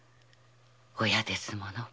親ですもの。